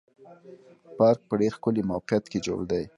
پارک په ډېر ښکلي موقعیت کې جوړ دی.